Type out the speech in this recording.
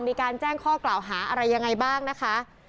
มีการแจ้งข้อกล่าวหาอะไรยังไงบ้างนะคะ